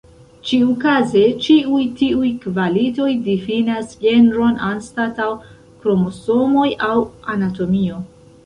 Ĉiukaze, ĉiuj tiuj kvalitoj difinas genron anstataŭ kromosomoj aŭ anatomio.